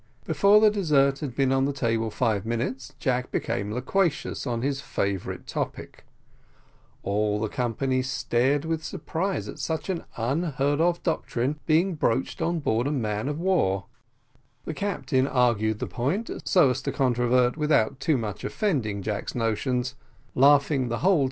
Before the dessert had been on the table five minutes, Jack became loquacious on his favourite topic; all the company stared with surprise at such an unheard of doctrine being broached on board of a man of war; the captain argued the point, so as to controvert, without too much offending, Jack's notions, laughing the whole time that the conversation was carried on.